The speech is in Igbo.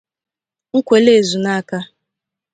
Nkwelle-Ezunaka